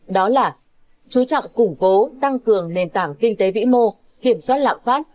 đó là chú trọng củng cố tăng cường nền tảng kinh tế vĩ mô kiểm soát lạm phát